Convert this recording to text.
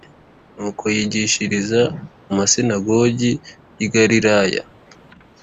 nuko yigishiriza mu masinagogi y i galilaya